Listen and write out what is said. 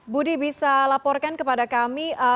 budi bisa laporkan kepada kami